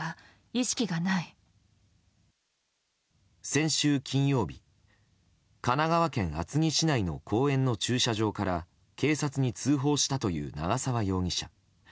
先週金曜日神奈川県厚木市内の公園の駐車場から警察に通報したという長沢容疑者。